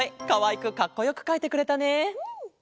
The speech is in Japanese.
かわいくかっこよくかいてくれたね。